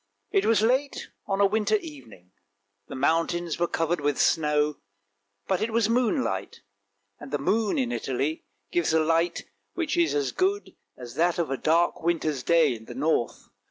It was late on a winter evening ; the mountains were covered with snow, but it was moonlight, and the moon in Italy gives a light which is as good as that of a dark winter's day in the north.